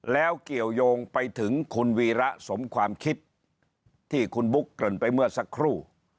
แล้วเกี่ยวยงไปถึงคุณวีระสมความคิดที่คุณบุ๊คเกริ่นไปเมื่อสักครู่